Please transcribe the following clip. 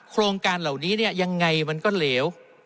โครงการเหล่านี้เนี่ยยังไงมันก็เหลว